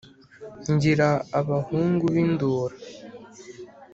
ngira abahungu b' indura,